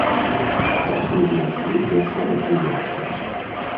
Так мы знайшлі першага кліента.